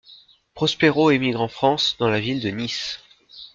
Prospero émigre en France dans la ville de Nice.